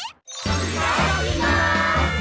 いただきます！